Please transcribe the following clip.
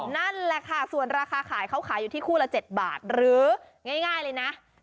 นั่นแหละค่ะส่วนราคาขายเขาขายอยู่ที่คู่ละ๗บาทหรือง่ายเลยนะ